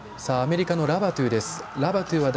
アメリカ、ラバトゥです。